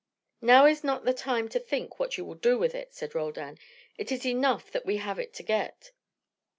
"Now is not the time to think what you will do with it," said Roldan. "It is enough that we have it to get.